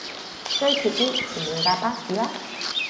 追貼啲前面架巴士吖